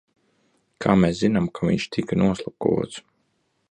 Kā mēs zinām, ka viņš tika noslepkavots?